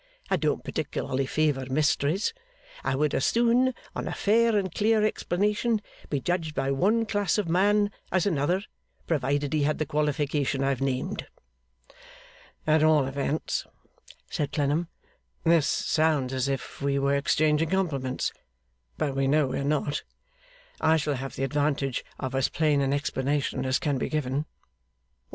I don't particularly favour mysteries. I would as soon, on a fair and clear explanation, be judged by one class of man as another, provided he had the qualification I have named.' 'At all events,' said Clennam 'this sounds as if we were exchanging compliments, but we know we are not I shall have the advantage of as plain an explanation as can be given.